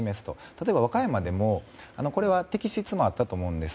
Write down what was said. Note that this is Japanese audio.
例えば、和歌山でもこれは敵失もあったと思います。